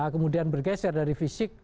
kemudian bergeser dari fisik